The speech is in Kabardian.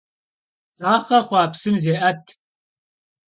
Baxhe xhua psım zê'et.